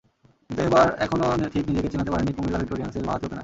কিন্তু এবার এখনো ঠিক নিজেকে চেনাতে পারেননি কুমিল্লা ভিক্টোরিয়ানসের বাঁহাতি ওপেনার।